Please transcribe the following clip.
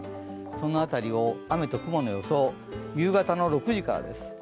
その辺りを雨と雲の予想、夕方の６時からです。